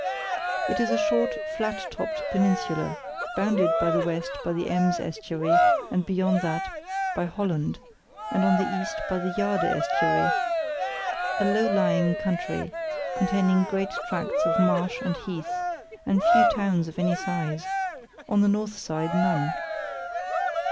It is a [See Map B] short, flat topped peninsula, bounded on the west by the Ems estuary and beyond that by Holland, and on the east by the Jade estuary; a low lying country, containing great tracts of marsh and heath, and few towns of any size; on the north side none.